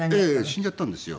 死んじゃったんですよ。